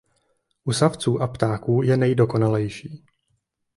U savců a ptáků je nejdokonalejší.